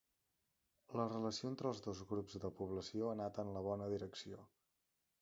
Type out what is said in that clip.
La relació entre els dos grups de població ha anat en la bona direcció.